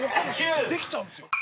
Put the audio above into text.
「できちゃうんですよ」